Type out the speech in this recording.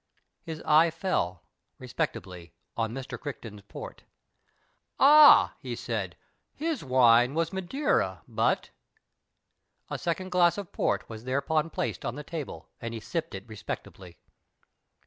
His eye fell, respectably, on Mr. Crichton's port. " Ah !" he said, " his wine was Madeira, but " A second glass of port was thereupon ))laced on the table, and he sipped it respectably.